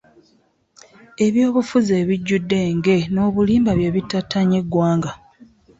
Ebyobufuzi ebijjudde enge n'obulimba bye bittattanye eggwanga.